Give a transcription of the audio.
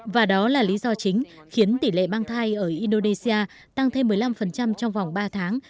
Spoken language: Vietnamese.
và đó là lý do chính khiến tỷ lệ mang thai ở indonesia tăng thêm một mươi năm trong vòng ba tháng